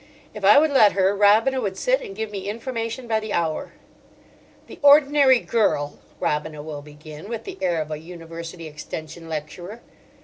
If I would let her, Robina would sit and give me information by the hour. "The ordinary girl ..." Robina will begin, with the air of a University Extension Lecturer.